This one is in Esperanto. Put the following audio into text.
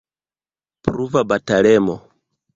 Pruva batalemo.